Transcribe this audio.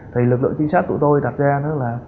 thì lực lượng trinh sát tụi tôi đặt ra